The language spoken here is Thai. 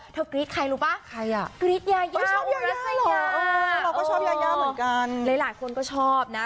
เธอกรีดใครรู้ป่ะคนนี่ครับเราก็ชอบยายาเหมือนกันละหลายคนก็ชอบนะ